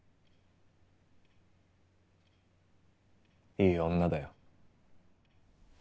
いい女だよ。